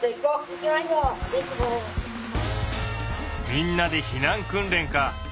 みんなで避難訓練か。